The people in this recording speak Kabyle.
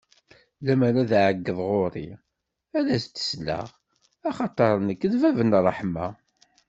Lemmer ad d-iɛeggeḍ ɣur-i, ad s-d-sleɣ, axaṭer nekk d bab n ṛṛeḥma.